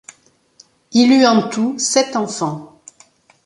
Il eut en tout sept enfants.